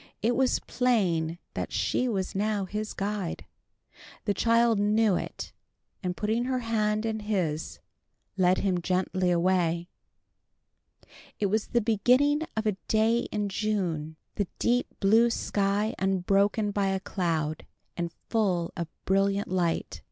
It was plain that she was now his guide. The child knew it, and putting her hand in his, led him gently away. It was the beginning of a day in June, the deep blue sky unbroken by a cloud, and full of brilliant light.